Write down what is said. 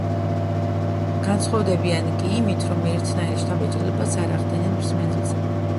განსხვავდებიან კი იმით, რომ ერთნაირ შთაბეჭდილებას არ ახდენენ მსმენელზე.